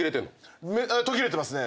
途切れてますね。